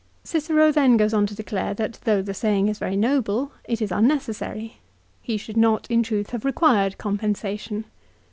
l Cicero then goes on to declare that though the saying is very noble, it is unnecessary. He should not, in truth, have required compensation.